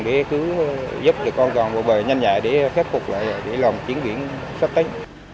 để cứu giúp đứa con con vô bờ nhanh nhẹ để khép phục lại lòng chiến luyện sắp tới